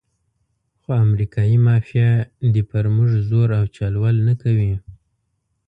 خو امریکایي مافیا دې پر موږ زور او چل ول نه کوي.